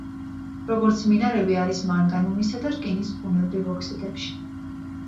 როგორც მინარევი არის მანგანუმისა და რკინის ბუნებრივ ოქსიდებში.